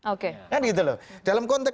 oke kan gitu loh dalam konteks